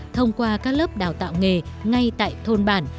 thông qua các lớp đào tạo nghề ngay tại thôn bản